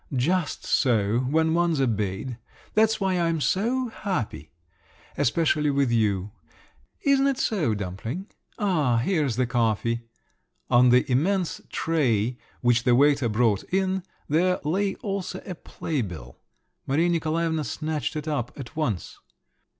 "Just so, when one's obeyed! That's why I'm so happy! Especially with you. Isn't it so, dumpling? Ah, here's the coffee." On the immense tray, which the waiter brought in, there lay also a playbill. Maria Nikolaevna snatched it up at once.